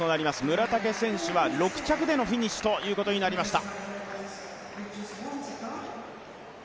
村武選手は６着でのフィニッシュということになりました。